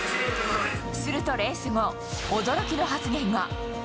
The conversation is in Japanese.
すると、レース後、驚きの発言が。